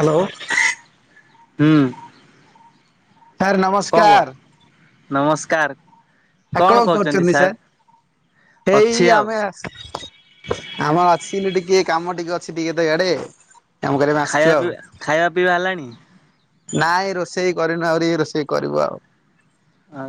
Hello. ହୁଁ। ସ କଣ କହୁ ନମସ୍କାର। ନମସ୍କାର। ଆ କଣ କରୁଛନ୍ତି ସାର୍। ଏଇ ଅଛି ଆଉ ଆମେ ଆମର ଅ ଏ ଟିକ କାମ ଟିକେ ଅଛି ଟିକେ ତ ଇଆଡେ। କାମ କରିବା ପାଇଁ ଆସିଛୁ ଖାଇବା ଆଉ ପିଇବା ଖାଇବା ପିଇବା ହେଲାଣି? ନାଇଁ ରୋଷେଇ କରିନୁ ଆହୁରି ରୋଷେଇ କରିବୁ ଆଉ। ଆ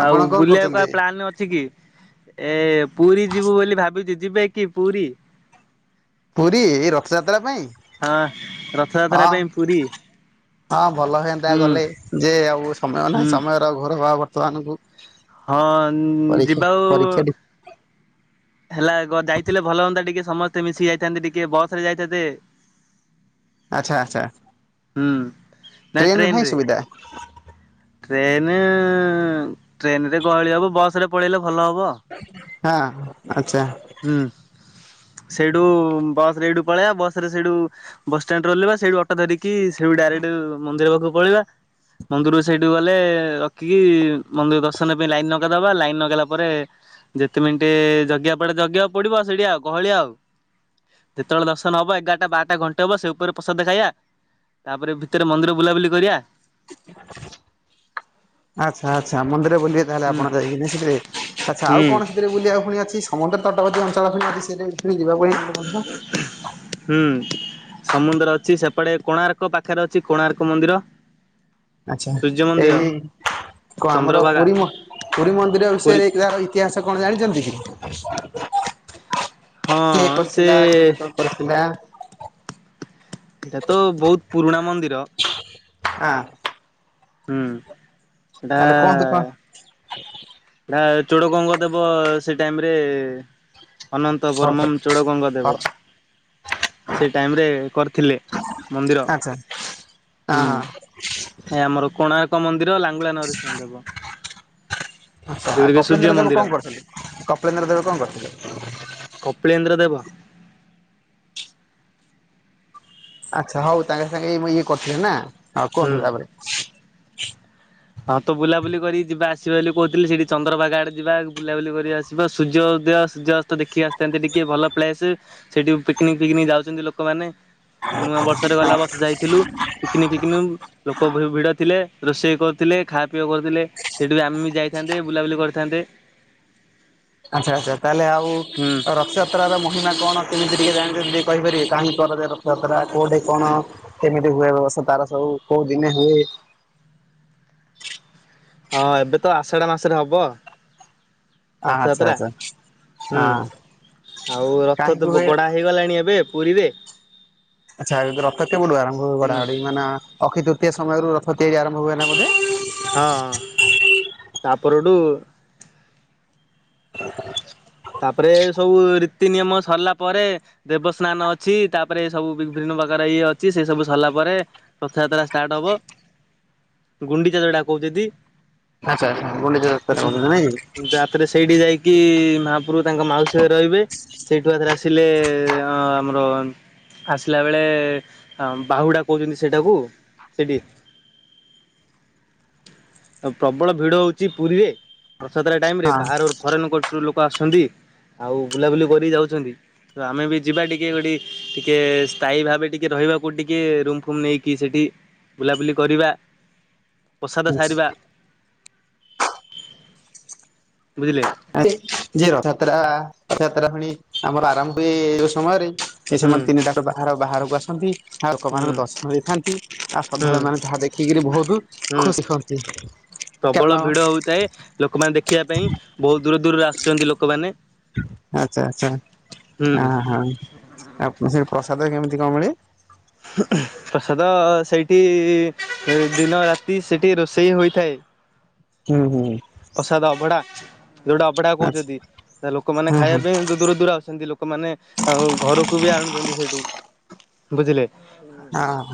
ଆପଣ ଆଉ କଣ ବୁଲିବାକୁ କ କରୁଛନ୍ତି ପ୍ଲାନ ଅଛି କି, ଏ ପୁରୀ ଯିବୁ ବୋଲି ଭାବିଛି। ଯିବେ କି ପୁରୀ। ପୁରୀ ଏ ରଥଯାତ୍ରା ପାଇଁ ହଁ ରଥଯାତ୍ରା ହଁ ପାଇଁ ପୁରୀ। ହଁ ଭଲ ହୁଏନ୍ତା ହୁଁ ଗଲେ ଯେ ଆଉ ସମୟ ହୁଁ। ନାହିଁ ସମୟର ଘର ବା ବର୍ତ୍ତମାନ କୁ। ହଁ ଯିବା ଆଉ। ପରୀକ୍ଷା ହେଲା ଯାଇଥିଲେ ଭଲ ହୁଅନ୍ତା ଟିକେ ସମସ୍ତେ ମିଶି ଯାଇଥାନ୍ତେ ଟିକେ ବସରେ ଯାଇଥାନ୍ତେ। ଆଚ୍ଛା ଆଚ୍ଛା ହୁଁ। ଟ୍ରେନ ନା ସୁବିଧା। ଟ୍ରେନ ଟ୍ରେନରେ ଗହଳି ହବ ବସରେ ପଳେଇଲା ହଁ। ଆଚ୍ଛା। ହୁଁ। ସେଇଠୁ ବସ ରେ ଏଇଠୁ ପଳେଇବା ବସ ରେ ସେଇଠୁ ବସଷ୍ଟାଣ୍ଡରେ ରହଲିବା ସେଇଠୁ ଅଟୋ ଧରିକି ସେଠୁ ଡାଇରେକ୍ଟ। ମନ୍ଦିର ପାଖକୁ ପଳେଇିବା। ମନ୍ଦିରରୁ ସେଇଠି ଗଲେ ରଖିକି ମନ୍ଦିର ଦର୍ଶନ ପାଇଁ ଲାଇନ ନଗେଇଦବା ଲାଇନ ନଗାଇଲା ପରେ ଯେତେ ମିନିଟ ଜଗିବା ପଡା ଜଗିବାକୁ ପଡିବ ସେଠି ଆଉ ଗହଳିଆ ଆଉ। ଯେତେବେଳେ ଦର୍ଶନ ହବ ଏଗାରଟା ବାରଟା ଘଣ୍ଟେ ହବ ସେ ଉପରେ ପ୍ରସାଦ ଖାଇବା। ତାପରେ ଭିତରେ ମନ୍ଦିର ବୁଲାବୁଲି କରିବା। ଆଚଛା ଆଛା ମନ୍ଦ ବୁବେ ତାେଲେ ହୁଁ ଆପଣ ଯାଇକି ସେଥିରେ ଆଛା ଆଉ ହୁଁ କଣ ସେଥିରେ ବୁିବାକୁୁଣି ଅଛି ସମୁଦ୍ର ତଟ ମସଲା ଆ ଯିବା ପ [unintelligible] ହୁଁ। ସମୁଦ୍ର ଅଛି ସେପଟେ କୋଣାର୍କ ପାଖରେ ଅଛି କୋଣାର୍କ ମନ୍ଦିର। ଆଚ୍ଛା ସୂର୍ଯ୍ୟ ମନ୍ଦିର ଏଇ କୁହ ଆମର ଚନ୍ଦ୍ରଭାଗା ପୁରୀ ପୁରୀ ମନ୍ଦିର ପୁରୀ ବିଷୟରେ ଯହାର ଇତିହାସ ସେ କଣ ଜାଣିଛନ୍ତି କି? କିଏ ହଁ ସେ କରିଥିଲା କେବେଣ କରିଥିଲା? ଏଇଟା ତ ବହୁତ ପୁରୁଣା ମନ୍ଦିର? ହ। ହୁଁ। ଏଟା ତାହେଲେ କୁହନ୍ତୁ କଣ? ହ ଚୋଡ କଣ କରିଦବ ସେ ଟାଇମ ରେ ଅନନ୍ତ ଆଚ୍ଛା ବର୍ମମ ଚୋଡ଼ଗଙ୍ଗା ହଁ ହଁ। ଦେବ। ସେ ଟାଇମିରେ କରିଥିଲେ ମନ୍ଦିର ଆଚ୍ଛା ହୁ। ଏ ଆମର କୋଣାର୍କ ମନ୍ଦିର ଲାଙ୍ଗୁଳା ନରସିଂହ ଦେେବ। ଆଚଛା ଆଉ କପିଳେନ୍ଦ୍ର ଦେବ କଣ କରୁଥିଲେ କପିଳନ୍ଦ୍ର ଦେବ କଣ କରିଥିଲେ? କପିଳନ୍ଦ୍ର ଦେବ। ଆଚଛା ହଉ ସାଙ୍ଗେ ସାଙ୍ଗେ ମୁଁ ଇଏ କରିଥିଲି ନା ହଁ କୁହନ୍ତୁ ହୁଁ। ତାପରେ। ହଁ ତ ବୁଲାବୁଲି କରିକି ଯିବା ଆସିବା ବୋଲି କହୁଥିଲି ସେଠି ଚନ୍ଦ୍ରପାଗା ଆଡେ ଯିବା ବୁଲାବୁଲି କରି ଆସିବା ସୂର୍ଯ୍ୟ ସୂ ସୂର୍ଯଯ୍ୟସ୍ତ ଦେଖି ଆସିଥାନ୍ତି ଟିକେ ଭଲ ପ୍ଲେସ ସେଠି ପିକନିକ ଫିକନିକ ଯାଉଛନ୍ତି ଲୋକମାନେ। ନୂଆ ବର୍ଷରେ ଗଲା ବର୍ଷ ଯାଇଥିଲୁ ପିକନିକ ଫିକନିକ ଲୋକ ଭିଡ ଥିଲେ। ରୋ ସେେଇ କ ଥିଲେ ଖାବା ପିଇ କରୁଥିଲେ ସେଇଠି ବି ଆମେ ଯାଇଥାନ୍ତେ ବୁଲାବୁଲି କରିଥାନ୍ତେ। ଆଛା ଆଛା ତାହେଲେ ଆଉ ହୁଁ। ରଥଯାତ୍ରାର ମହିମା କଣ କେମିତି ଟିକେ ଜାଣ। ଯଦି କହିପାରିବେ କାହିଁକରାଯାଏ ରଥଯାତ୍ରା କୋଉଠି କଣ କେମିତି ହୁଏ ବେବସ୍ତ ତାର ସବୁ କୋଉ ଜିନି ହୁଏ। [inaudible] ହଁ ଏବେ ତ ଆଷାଢା ମାସରେ ହବ। ଆଚ୍ଛା ରଥଯାତ୍ରା ଆଚ୍ଛା ହୁଁ। ହଁ ଆଉ ରଥ କାହିଁକି ତ ହୁଏ ଗୋଡା ହେଇଗଲାଣି ଏବେ ପୁରୀରେ। ଆଚଛା ରଥ କେବଳୁ ଆରମ୍ଭ ହୁ ହୁଁ ଗଡାଡି ମାନ ଅଖିତୃତୀୟ ସମୟରୁ ରଥ ତିଆରି ଆରମ୍ଭ ହୁଏନା ବୋଧେ? ହଁ ତାପରଠୁ। ହ [inaudible] ତାପରେ ସବୁ ରୀତି ନିିୟମ ସରିଲା ପରେ ଦେବସ୍ନାନ ଅଛି ତାପରେ ସବୁ ବିଭିନ୍ନ ପ୍ରକାର ଇଏ ଅଛି ସେ ସବୁ ସରିଲା ପରେ ରଥଯାତ୍ରା ଷ୍ଟାର୍ଟ ହବ। ଗୁଣ୍ଡିଚା ଦଡା କହୁଛନ୍ତି। ଆଚ୍ଛା ଆଚ୍ଛା ଗୁଣ୍ଡିଚା ଯାତ୍ରା କହୁଛନ୍ତି ନାଇଁ କି ହୁଁ ରାତିରେ ସେଇଠି ଯାଇକି ମ ପୂ ପର୍ବ ତାଙ୍କ ମାଉସୀ ଘରେ ରହିବେ ସେଇଠୁ ଆଥରେ ଆସିଲେ ଆମର ଆସିଲା ବେଳେ ବାହୁଡ଼ା କହୁଛନ୍ତି ସେଇଟାକୁ ସେଇଠି। ହ। [inaudible] ପ୍ରବଳ ଭିଡ ହଉଛି ପୁରୀରେ ରଥାତ୍ରା ଟାଇମ ରେ ହଁ ବାହାର ଫରେନ୍ ଆସଛନ୍ତି ଆଉ ବୁଲାବୁଲି କର ଯାଉଛନ୍ତି। ତ ଆମେ ବି ଯିବା ଟିକେ ଗୋଟେ ଟିକେ ସ୍ଥାୟୀ ଭାବେ ଟିକେ ରହିବାକୁ ଟିକେ ରୁମ ଫୁମ ନେଇକି ସେଠି। ବୁଲାବୁଲି କରିବା ପସା [unintelligible] ବୁଝିଲେ ଯେ ରଥଯାତ୍ରା ରଥଯାତ୍ରା ପୁଣି ଆମର ଆରମ୍ଭ ହୁଏ ଯଉ ସମୟରେ ସେହି ହୁଁ ସମୟରେ ତିନି ଠାକୁର ବାହାର ବାହାରକୁ ଆସନ୍ତି। ଆଉ ହୁଁ ଲୋକମାନାନଙ୍କୁ ଦର୍ଶନ ଦେଇଥାନ୍ତି ଆଉ ହୁଁ ଶ୍ରଦ୍ଧାଳୁ ମାନେ ଯାହା ଦେଖିକିରି ବହୁତ ହୁଁ ଖୁସି ହୁଅନ୍ତି। କାରଣ ପ୍ରବଳ ଭିଡ ହୋଉଥାଏ ଲୋକମାନେ ଦେଖିବା ପାଇଁ ବହୁତ ଦୂର ଦୂରରେ ଆସୁଛନ୍ତି ଲୋକମାନେ। ଆଚ୍ଛା ଆଚ୍ଛା ହୁଁ ଆ ହାଁ ଆପ ସେଠି ପ୍ରସାଦ କେମିତି? କେମିତି କଣ ମିଳେ? ପ୍ରସାଦ ସେଇଠି ଦିନ ରାତି ସେଇଠି ରୋଷେଇ ହୋଇଥାଏ। ହୁଁ ହୁଁ। ପ୍ରସାଦ ଅଭଡ଼ା। ଯୋଉଟା ଅଭଡା ଆଚ୍ଛା କହୁଛନ୍ତି, ତ ଲୋକମାନେ ହଁ ଖାଇବା ହଁ ପାଇଁ ଦୂର ଦୂର ଆସଛନ୍ତି, ଲୋକମାନେ ଆଉ ଘରକୁ ବି ଆଣୁ ଆଣୁଛନ୍ତି ସେହଠୁ ବୁଝିଲେ? ହଁ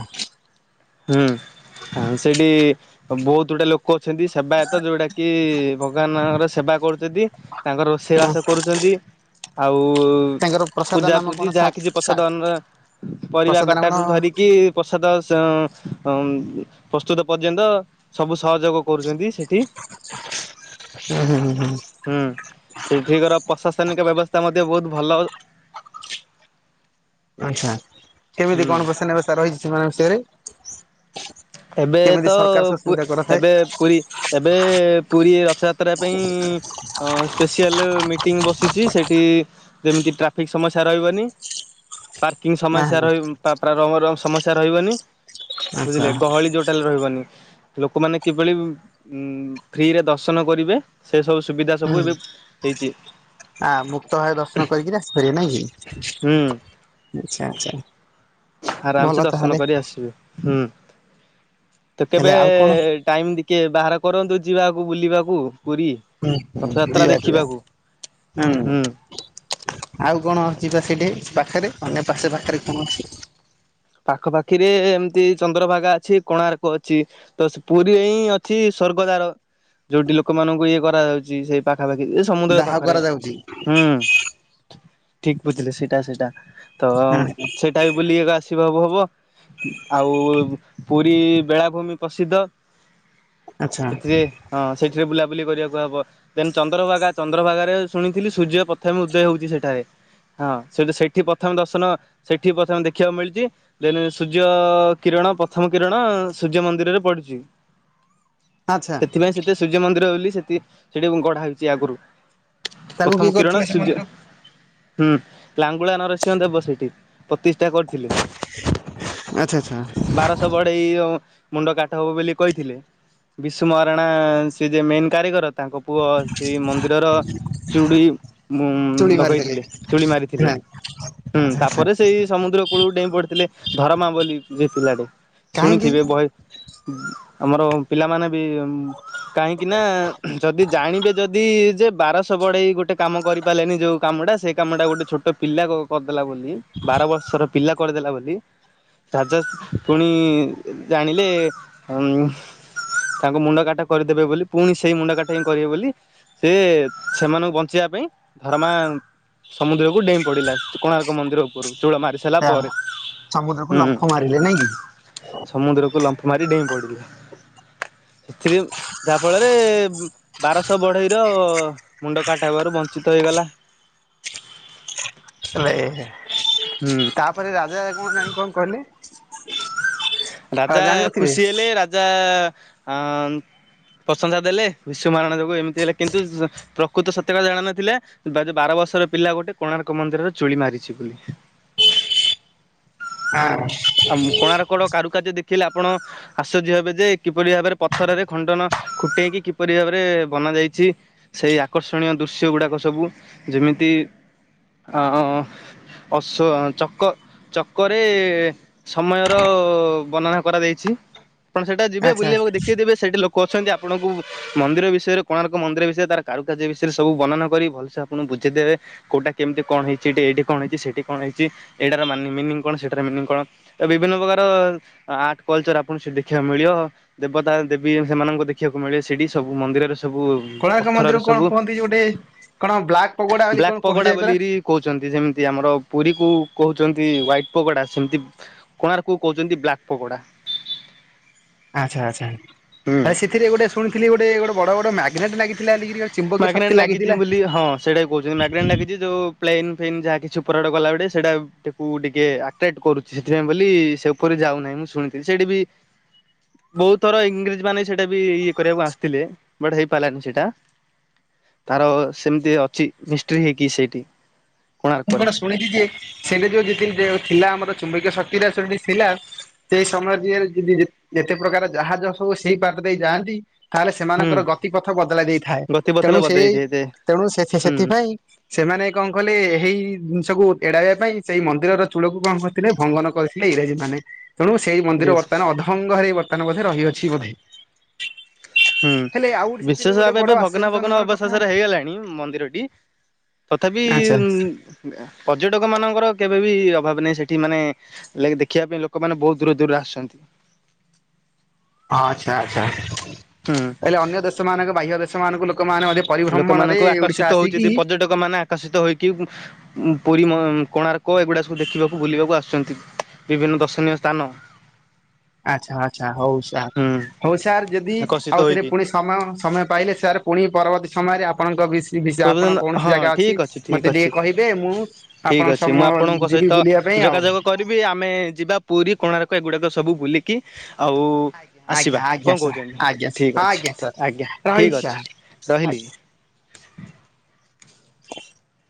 ହୁଁ ସେଠି ବହୁତ ଗୁଡେ ଲୋକ ଅଛନ୍ତି ସେବାୟତ ଯୋଉଟା କି ଭଗବାନଙ୍କର ସେବା କରୁଛନ୍ତି ତାଙ୍କର ରୋଷେଇବାସ କରୁଛନ୍ତି ଆଉ ଆଉ ତାଙ୍କର ପ୍ରସାଦ ପୂଜା ନାମ ପୂଜି କଣ ସା ଯାହା କିଛି ସା ପ୍ରସାଦର ପରିବା ପ୍ରସାଦ ନାମ କଣ କଟାରୁ ହୁଁ ଧରିକି ପ୍ରସାଦ ହଁ ପ୍ରସ୍ତୁତ ପର୍ଯ୍ୟନ୍ତ ସବୁ ସହଯୋଗ କରୁଛନ୍ତି, ସେଠି ହୁଁ ହୁଁ ହୁଁ ହୁଁ ହୁଁ। ସେଠିକାର ପ୍ରଶାସନିକ ବ୍ୟବସ୍ଥା ମଧ୍ୟ ବହୁତ ଭଲ। ଆଚ୍ଛା କେମିତି ହୁଁ କଣ ପଇସା ନେବେ ତାହା ରହିଛି ସେମାନଙ୍କ ବିଷୟରେ? ଏବେ କେମିତି ତ ସରକାର ପୁ ସୁବିଧା କରିଥାଏ? ଏବେ ପୁରୀ ଏବେ ପୁରୀ ରଥଯାତ୍ରା ପାଇଁ ଅଁ ସ୍ପେସିଆଲ ମିଟିଂ ବସିଛି ସେଇଠି ଯେମିତି [unintelligible] ଟ୍ରାଫିକ ସମସ୍ୟା ରହିବନି। ପାର୍କିଂ ସମସ୍ୟା ରହି ପା-ପ୍ରା-ପ୍ରାର ମରଂ ସମସ୍ୟା ରହିବନି। ବୁଝିଲେ ଆଚ୍ଛା ଗହଳି ଟୋଟାଲ ରହିବନି। ଲୋକମାନେ କିଭଳି ଉଁ ଫ୍ରିରେ ଦର୍ଶନ କରିବେ ସେ ସବୁ ସୁବିଧା ହୁଁ ସବୁ ଏବେ ହେଇଛି। ଆ ମୁକ୍ତ ଭାବେ ଦର୍ଶନ କରିକି ଆସିପାରିବେ ନାଇଁ କି? ହୁଁ ଆଚ୍ଛା ଆଚ୍ଛା। ଭଲ ଆରାମସେ ଦର୍ଶନ ତାହେଲେ କରି ଆସିବେ ହୁଁ। ତ ହେଲେ କେବେ ଆଉ କଣ ଟାଇମ ଟିକେ ବାହାର କରନ୍ତୁ ଯିବାକୁ ବୁଲିବାକୁ। ପୁରୀ। ହୁଁ ହୁଁ ରଥଯାତ୍ରା ଯିବା ଯିବା। ଦେଖିବାକୁ ହୁଁ ଆଉ କଣ? ଯିବା ସେଇଠି ପାଖରେ ଅନ୍ୟ ପାଖରେ ପାଖରେ କଣ ଅଛି? ପାଖାପାଖିରେ ଏମତି ଚନ୍ଦ୍ରଭାଗା ଅଛି କୋଣାର୍କ ଅଛି ତ ସେ ପୁରୀରେ ହିଁ ଅଛି ସ୍ଵର୍ଗଦାର ଯୋଉଠି ଲୋକମାନଙ୍କୁ ଇଏ କରାଯାଉଛି ସେଇ ପା ପାଖାପାଖି ଏ ସମୁଦ୍ର ଦାହ ପାଖରେ କରାଯାଉଛି ହୁଁ ଠିକ ବୁଝିଲେ ସେଇଟା ସେଇଟା। ତ ଅଁ ହଁ ସେଇଟା ବି ବୁଲିବା ଆସ ସବୁ ହବ ଉ ଆଉ ପୁରୀ ବେଳାଭୂମି ପ୍ରସିଦ୍ଧ। ଆଚ୍ଛା ସେଥିରେ ହଁ ସେଇଥିରେ ବୁଲାବୁଲି କରିଆକୁ [unintelligible] ହବ ଦେନ ଚନ୍ଦ୍ରଭାଗା ଚନ୍ଦ୍ରଭାଗାରେ ଶୁଣିଥିଲି ସୂର୍ଯ୍ୟ ପ୍ରଥମେ ଉଦୟ ହଉଛି ସେଠାରେ। ହଁ ସେଇଠୁ ସେଇଠି ପ୍ରଥମେ ଦର୍ଶନ ସେଠି ପ୍ରଥମେ ଦେଖିବାକୁ ମିଳି ଅଛି ଦେନ ସୂର୍ଯ୍ୟ କିରଣ ପ୍ରଥମ କିରଣ ସୂର୍ଯ୍ୟ ମନ୍ଦିରରେ ପଡୁଛି। ଆଚ୍ଛା। ସେଥିପାଇଁ ସେଠି ସୂର୍ଯ୍ୟ ମନ୍ଦିର ବୋଲି ସେଟି ସେଠି ଏବଂ ଗଢା ହୋଇଛି ଆଗରୁ। ତାଙ୍କୁ ପ୍ରଥମ କିଏ କିରଣ କରିଥିଲେ ସେ ସୂର୍ଯ୍ୟ ମନ୍ଦିରକୁ ହୁଁ। ଲାଙ୍ଗୁଳା ନରସିଂହ ଦେବ ସେଇଠି ପ୍ରତିଷ୍ଠା କରିଥିଲେ। ଆଚ୍ଛା ଆଚ୍ଛା। ବାରଶହ ବଢ଼େଇ ମୁଣ୍ଡ କାଟ ହବ ବୋଲି କହିଥିଲେ। ବିଶୁ ମହାରଣା ସେ ଯେ ମେନ କାରିଗର। ତାଙ୍କ ପୁଅ ସେହି ମନ୍ଦିରର ଚୁଡ଼ି ଉ ଚୁଳି ମାରିଥିଲେ ଲଗେଇଥିଲେ ଚୁଡ଼ି ହଁ ମାରିଥିଲେ ହୁଁ ଆଚ୍ଛା ଆଚ୍ଛା। ତାପରେ ସେଇ ସମୁଦ୍ର କୂଳକୁ ଡେଇଁ ପଡି ଥିଲେ ଧରମା ବୋଲି ଜିତିଥିଲାଟେ କାହିଁକି ଶୁଣିଥିବେ ବହି [unintelligible] ଆମର ପିଲାମାନେ ବି କାହିଁକି ନା, ଯଦି ଜାଣିବେ ଯଦି ଯେ ବାରଶହ ବଢ଼େଇ ଗୋଟେ କାମ କରିପାରିଲେନି ଯେଉଁ କାମଟା ସେ କାମଟା ଗୋଟେ ଛୋଟ ପିଲା ଲା ବୋଲି ବାର ବର୍ଷର ପିଲା କରିଦେଲା ବୋଲି ପୁଣି ଜାଣିଲେ ତାଙ୍କ ମୁଣ୍ଡ କାଟା କରିଦେବେ ବୋଲି ପୁଣି ସେଇ ମୁଣ୍ଡ କାଟା ହିଁ କରିବେ ବୋଲି ସେ ସେମାନଙ୍କୁ ବଞ୍ଚେଇବା ପାଇଁ ଧରମା ସମୁଦ୍ରକୁ ଡେଇଁ ପଡିଲା। କୋଣାର୍କ ମନ୍ଦିର ଉପରୁ ଚୋଳ ମାରି ସାରିଲା ଆ ପରେ ସମୁଦ୍ରକୁ ହୁଁ ଲମ୍ଫ ମାରିଲେ ନାଇଁ କି ସମୁଦ୍ରକୁ ଲମ୍ଫ ମାରି ଡେଇଁ ପଡିଲା। [inaudible] ସେଥିରେ ଯାହାଫଳରେ ବାରଶହ ବଢ଼େଇର ମୁଣ୍ଡ କାଟ ହେବାରୁ ବଞ୍ଚିତ ହେଇଗଲା। [inaudible] ହେଲେ ହୁଁ। ତାପରେ ରାଜା କଣ ଜାଣି, କଣ କହିଲେ ରାଜା ଖୁସି ହେଲେ ରାଜା ଅ ପ୍ରଶଂସା ଦେଲେ ବିଶୁ ମହାରଣା ଯୋଗୁ ଏମିତି ହେଲେ କିନ୍ତୁ ପ୍ରକୃତ ସତେ କଥା ଜାଣ ନଥିଲେ ବାର ବର୍ଷ ବଷର ପିଲା ଗୋଟେ କୋଣାର୍କ ମନ୍ଦିରରେ ଚୁଳି ମାରିଛି ବୋଲି ହଁ ଆଉ କୋଣାର୍କର କାରୁକାର୍ଯ୍ୟ ଦେଖିଲେ ଆପଣ ଆଶ୍ଚର୍ଯ୍ୟ ହେବେ ଯେ କିପରି ଭାବରେ ପଥରରେ ଖଣ୍ଡନ ଖୁଟେଇକି କିପରି ଭାବରେ ବନା ଯାଇଛି ସେଇ ଆକର୍ଷଣୀୟ ଦୃଶ୍ୟ ଗୁଡାକ ସବୁ ଯେମିତି ହ ଅ ଚକ ଚକରେ ସମୟର ବର୍ଣନା କରେଇଛି ଆପଣ ସେଟା ଯିବେ ଆଚ୍ଛା। ବୁଲିବାକୁ ଦେଖେଇଦେବେ ସେଠି ଲ କଛନ୍ତି ଆପଣଙ୍କୁ ମନ୍ଦିର ବିଷୟରେ କୋଣାର୍କ ମନ୍ଦିର ବିଷୟରେ ତାର କାରୁକାର୍ଯ୍ୟ ବିଷୟରେ ସବୁ ବର୍ଣ୍ଣନା କରି ଭଲସେ ଆପଣ ବୁଝେଇଦବେ କଉଟା କେମିତି କଣ ହେଇଛି, ଏଇଠି କଣ ହେଇଛି, ସେଠି କଣ ହେଇଛି, ଏଇଟି ର ମିନିଙ୍ଗ କଣ? ସେଇଟା ର ମିନିଙ୍ଗ କଣ? ବିଭିନ୍ନ ପ୍ରକାର କଲଚର ଆପଣଙ୍କୁଠି ଦେଖିବାକୁ ମିଳିବ ଦେବତା ଦେବୀ ସେମାନଙ୍କୁ ଦେଖିବାକୁ ମିଳିବ ସେଠି ସବୁ ମନ୍ଦିରରେ ସବୁ କୋଣାର୍କ ପଥରରେ ମନ୍ଦିରକୁ କଣ ସବୁ କୁହନ୍ତି ଯେ ଗୋଟେ କଣ ବ୍ଲାକ୍ ପଗୋଡା ବୋଲି କଣ ବ୍ଲାକ୍ ପଗୋଡା କୁହାଯାଏ ପରା? ବଲିରି କହୁଛନ୍ତି ଯେମିତି ଆମର ପୁରୀ କୁ କହୁ ହୁ ହ୍ଵାଇଟ୍ ପଗୋଡା ସେମିତି କୋଣାର୍କ କୁ କହୁଛନ୍ତି ବ୍ଲାକ୍ ପଗୋଡା ଆଚ୍ଛା ଆଚ୍ଛା। ସେଥିରେ ଗୋଟେ ଶୁଣିଥିଲି ଗୋଟେ ଗୋଟେ ବଡ ବଡ ମାଗନେଟ ଲାଗଥିଲା ଲାଗିଛି ବୋଲି ହଁ ସେଇଟା କହୁଛନ୍ତି, ମାଗନେଟ ଲାଗିଛି ଯୋଉ ପ୍ଲେନ ଯାହା କିଛି ଉପରାଡ଼ ଗଲାବେଳେ, ସେଇଟା ତାକୁ ଟିକେ ଆଟ୍ରାକ୍ଟ କରୁଛି, ସେଥିପାଇଁ ବୋଲି ସେ ଉପରେ ଯାଉନାହିଁ। ମୁଁ ଶୁଣିଥିଲି ସେଇଠି ବି ବହୁତ ଥର ଇଂରେଜ ମାନେ ସେଇଟା ବି ଇଏ କରିବାକୁ ଆସିଥିଲେ ବଟ ହେଇପାରିଲାନି ସେଇଟା ତାର ସେମିତି ଅଛି ମିଷ୍ଟ୍ରି ହେଇକି ସେଇଠି ମୁଁ କୋଣାର୍କରେ କଣ ଶୁଣିଛି ଯେ- ସେଠା ଯୋଉ ଯେତି ଥିଲା ଆମର ଚୁମ୍ବକୀୟ ଶକ୍ତି ଦାସି ଥିଲା [unintelligible] ସେଇ ସମୟରେ ଯିଏ ଯଦି ଯେତେ ପ୍ରକାର ଜାହାଜ ସବୁ ସେଇ ବାଟ ଦେଇ ଯାଆନ୍ତି ତାହେଲେ ହୁଁ। ସେମାନଙ୍କର ଗତିପଥ ବଦଳାଇ ଦେଇଥାଏ ଗତିପଥଲ ତେଣୁ ସେ ବଦଳେଇ ଦେଇଥାଏ ତେଣୁ ସେ ହୁଁ ସେଥିପାଇଁ ସେମାନେ କଣ କଲେ ହେଇ ଜିନି କକୁ ଏଡାଇବା ପାଇଁ ସେଇ ମନ୍ଦିର ର ଚୂଳ କକୁ କଣ କରିଥିଲେ ଭଙ୍ଗନ କରିଥିଲେ ଇଂରାଜୀ ମାନେ ତେଣୁ ସେଇ ମନ୍ଦିର ଇଂରେଜ। ବର୍ତ୍ତମାନ ଅଧଙ୍ଗରେ ବର୍ତ୍ତମାନ ବୋଧେ ରହିଅଛି ବୋଧେ ହୁଁ ହେଲେ ଆଉ ସେଥିରେ ବିଶେଷ ଗୋଟେ ଭା ବଡ ଏବେ ଭଗ୍ନା ଭଗ୍ନା ଆଶ୍ଚର୍ଯ୍ୟଜନକର କଥା ଅବଶେଷ ରେ ହେଇଗଲାଣି ମନ୍ଦିରଟି ତଥାପି ଆଚ୍ଛା ପର୍ଯ୍ୟଟକ ମାନଙ୍କର କେବେ ବି ଅଭାବ ନାହିଁ ସେଠି ମାନେ ଦେଖିବା ପାଇଁ ଲୋକମାନୋନେ ବହୁତ ଦୂର ଦୂର ଆଛନ୍ତି ଆଚ୍ଛା ଆଚ୍ଛା ହେଲେ ଅନ୍ୟ ଦେଶ ମାନଙ୍କ ବାହ୍ୟ ଦେଶ ମାନଙ୍କୁ ଲ ଲୋକମାନାନଙ୍କୁ ଆକର୍ଷିତ ହଉଛନ୍ତି ପର୍ଯ୍ୟଟକ ମାନେ ଆକର୍ଷିତ ହେଇକି ପୁରୀ କୋଣାର୍କ ଏଗୁଡା ସବୁ ଦେଖିବାକୁ ବୁଲିବାକୁ ଆସୁଛନ୍ତି ବିଭିନ୍ନ ଦର୍ଶନୀୟ ସ୍ଥାନ ଆଚ୍ଛା ଆଚ୍ଛା ହଉ ସାର୍ ହୁଁ ହଉ ସାର୍ ଯଦି ଆକର୍ଷିତ ଆଉ ରେ ହୋଇକି। ପୁଣି ସମୟ ସମୟ ପାଇଲେ ସାର୍ ପୁଣି ପରବର୍ତ୍ତୀ ସମୟରେ ଆପଣଙ୍କ ବି ଆପଣଙ୍କ କୌଣସି ହଁ ଜାଗା ଅଛି ଠିକ ଠିକ ମତେ ଟିକେ ଅଛି। କହିବେ ମୁଁ ଆପଣ ଠିକ୍ ଅଛି ସମ ମୁଁ ଆପଣଙ୍କ ଯିବି ସହିତ ବୁଲିବା ପାଇଁ ଆଉ। ଯୋଗାଯୋଗ କରିବି ଆମେ ଯିବା ପୁରୀ କୋଣାର୍କ ଏଗୁଡାକ ସବୁ ବୁଲିକି ଆଉ ଆଜ୍ଞା ଆସିବା ଆଜ୍ଞା କଣ ଆଜ୍ଞା ସାର୍ କହୁଛନ୍ତି ଆଜ୍ଞା ଠିକ୍ ହଁ ଅଛି ଆଜ୍ଞା ସାର୍ ଆଜ୍ଞା ରହିଲି ଠିକ ଅଛି ସାର୍ ରହିଲି ଆଜ୍ଞା। ହଁ